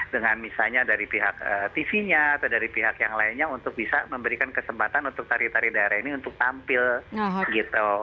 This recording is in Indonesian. dengan misalnya dari pihak tv nya atau dari pihak yang lainnya untuk bisa memberikan kesempatan untuk tari tari daerah ini untuk tampil gitu